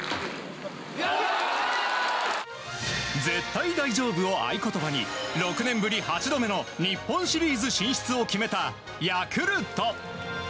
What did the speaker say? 「絶対大丈夫」を合言葉に６年ぶり８度目の日本シリーズ進出を決めたヤクルト。